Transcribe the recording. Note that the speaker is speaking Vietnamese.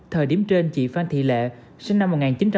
thời điểm trên chị phan thị lệ sinh năm một nghìn chín trăm tám mươi